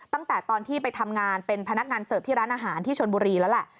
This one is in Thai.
ตั้งแต่ตอนที่ไปทำงานเป็นพนักงานเสิร์ฟที่ร้านอาหารที่ชนบุรีแล้วแหละ